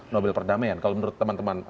nobel perdamaian kalau menurut teman teman